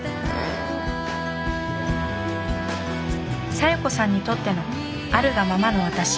小夜子さんにとってのあるがままの私。